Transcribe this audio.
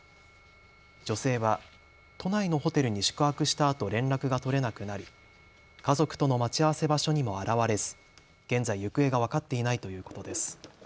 女性は都内のホテルに宿泊したあと連絡が取れなくなり家族との待ち合わせ場所にも現れず現在、行方が分かっていないということです。